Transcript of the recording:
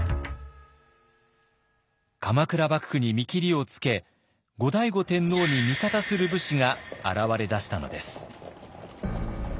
鎌倉幕府に見切りをつけ後醍醐天皇に味方する武士が現れだしたのです。